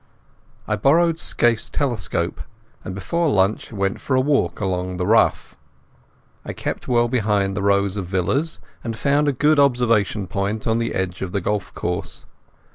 I borrowed Scaife's telescope, and before lunch went for a walk along the Ruff. I kept well behind the rows of villas, and found a good observation point on the edge of the golf course.